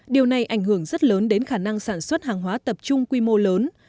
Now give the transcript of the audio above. điều này ảnh hưởng rất lớn đến khả năng sản xuất hàng hóa tập trung quy mô lớn